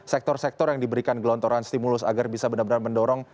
sektor sektor yang diberikan gelontoran stimulus agar bisa benar benar mendorong